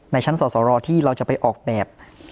ชั้นสอสรที่เราจะไปออกแบบ